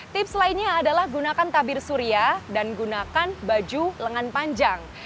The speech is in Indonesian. tips lainnya adalah gunakan tabir surya dan gunakan baju lengan panjang